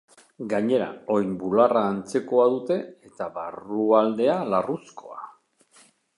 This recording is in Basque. Gainera, oinbularra antezkoa dute eta barrualdea larruzkoa.